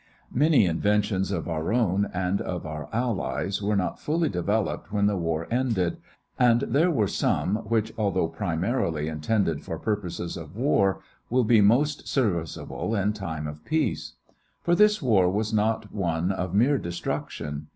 Many inventions of our own and of our allies were not fully developed when the war ended, and there were some which, although primarily intended for purposes of war, will be most serviceable in time of peace. For this war was not one of mere destruction.